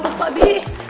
apa lu pak bi